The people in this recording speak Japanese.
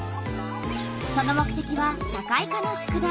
その目てきは社会科の宿題。